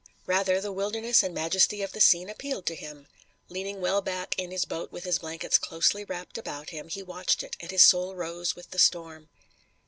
Rather, the wilderness and majesty of the scene appealed to him. Leaning well back in his boat with his blankets closely wrapped about him, he watched it, and his soul rose with the storm.